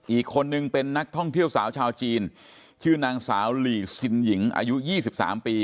อีกคนนึงเป็นนักท่องเที่ยวสาวชาวจีนชื่อนางสาวลีซินหญิงอายุ๒๓ปี